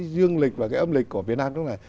dương lịch và cái âm lịch của việt nam lúc này